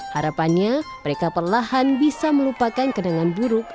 harapannya mereka perlahan bisa melupakan kenangan buruk